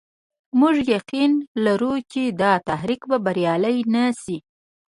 موږ يقين لرو چې دا تحریک به بریالی نه شي.